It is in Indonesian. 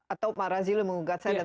atau pak razilo menggugat saya